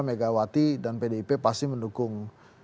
megawati dan pdip pasti mendukung